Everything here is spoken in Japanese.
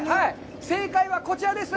正解はこちらです。